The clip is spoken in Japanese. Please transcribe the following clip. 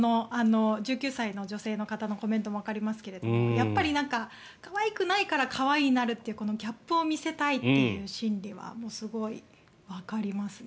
１９歳の女性の方のコメントもわかりますけれどやっぱり、可愛くないから可愛いになるというギャップを見せたいという心理はすごいわかりますね。